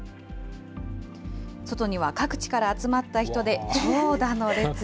外には各地から集まった人で長蛇の列。